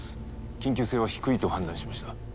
緊急性は低いと判断しました。